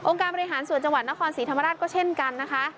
การบริหารส่วนจังหวัดนครศรีธรรมราชก็เช่นกันนะคะ